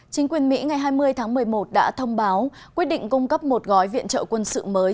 chính quyền mỹ ngày hai mươi tháng một mươi một đã thông báo quyết định cung cấp một gói viện trợ quân sự mới